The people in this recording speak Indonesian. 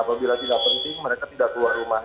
apabila tidak penting mereka tidak keluar rumah